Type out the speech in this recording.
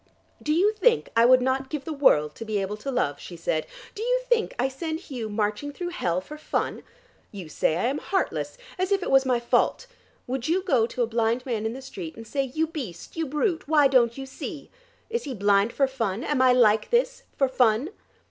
"Do you think I would not give the world to be able to love?" she said. "Do you think I send Hugh marching through hell for fun? You say I am heartless, as if it was my fault! Would you go to a blind man in the street and say, 'You beast, you brute, why don't you see?' Is he blind for fun? Am I like this for fun?"